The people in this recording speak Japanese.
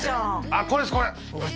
ああこれですこれ！